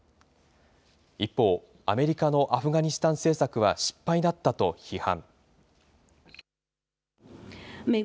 一方、アメリカのアフガニスタン政策は失敗だったと批判。